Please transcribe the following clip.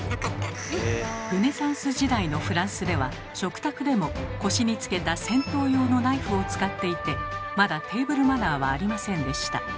ルネサンス時代のフランスでは食卓でも腰につけた戦闘用のナイフを使っていてまだテーブルマナーはありませんでした。